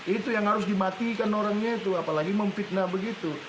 itu yang harus dimatikan orangnya itu apalagi memfitnah begitu